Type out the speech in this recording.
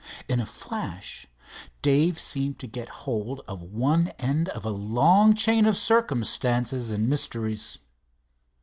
In a flash Dave seemed to get hold of one end of a long chain of circumstances and mysteries.